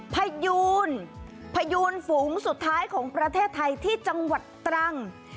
พยูนพยูนฝูงสุดท้ายของประเทศไทยที่จังหวัดตรัง